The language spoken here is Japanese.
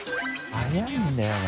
速いんだよな。